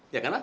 iya kan ah